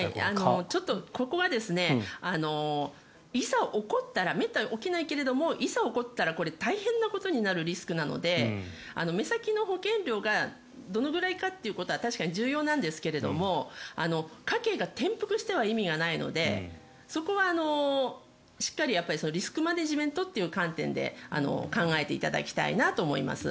ここは、いざ起こったらめったに起きないけれどこれ大変なことになるリスクなので目先の保険料がどのくらいかということは確かに重要なんですけど家計が転覆しては意味がないのでそこはしっかりリスクマネジメントという観点で考えていただきたいなと思います。